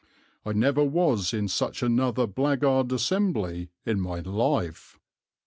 I never was in such another blackguard assembly in my life."